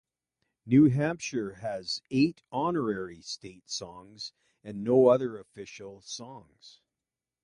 New Hampshire has eight "honorary" state songs, and no other official songs.